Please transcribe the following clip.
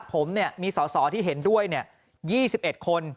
ผมมีสอสอที่เห็นด้วย๒๑คน